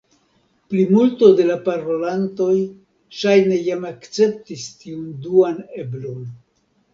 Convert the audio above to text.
Plimulto de la parolantoj ŝajne jam akceptis tiun duan eblon.